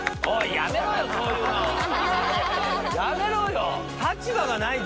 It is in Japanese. やめろよ。